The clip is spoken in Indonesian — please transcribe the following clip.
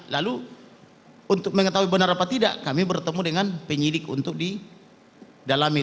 lalu untuk mengetahui benar apa tidak kami bertemu dengan penyidik untuk didalami